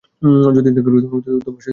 যদি দেখা করতে অনুমতি দাও তবে দেখতে যাব।